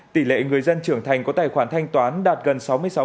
tỷ lệ người dân trưởng thành có tài khoản thanh toán đạt gần sáu mươi sáu